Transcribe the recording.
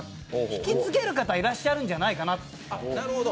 引き継げる方いらっしゃるんじゃないかな。